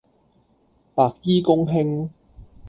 白衣公卿